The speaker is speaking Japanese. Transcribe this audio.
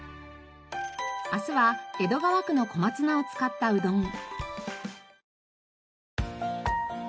明日は江戸川区の小松菜を使ったうどん。